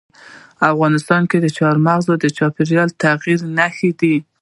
افغانستان کې چار مغز د چاپېریال د تغیر نښه ده.